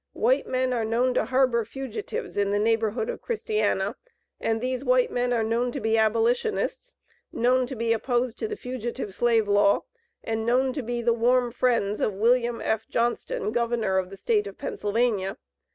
White men are known to harbor fugitives, in the neighborhood of Christiana, and these white men are known to be abolitionists, known to be opposed to the Fugitive Slave Law, and known to be the warm friends of William F. Johnston, (Governor of the State of Pennsylvania).